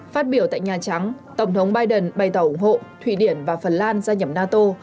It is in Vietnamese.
phát biểu tại nhà trắng tổng thống biden bày tỏ ủng hộ thụy điển và phần lan gia nhập nato